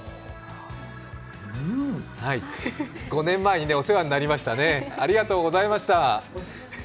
５年前にお世話になりましたね、ありがとうございました。